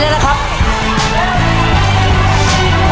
ไม้แล้ว